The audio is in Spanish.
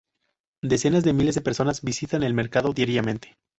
Decenas de miles de personas visitan el mercado diariamente.